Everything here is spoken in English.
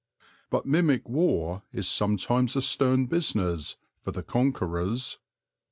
But mimic war is sometimes a stern business, for the conquerors.